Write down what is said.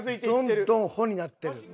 どんどん「ほ」になってる。